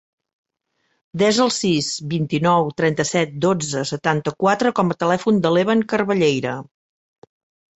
Desa el sis, vint-i-nou, trenta-set, dotze, setanta-quatre com a telèfon de l'Evan Carballeira.